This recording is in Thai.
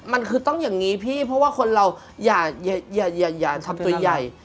มันคือต้องอย่างนี้พี่เพราะว่าคนเราอย่าทำตัวใหญ่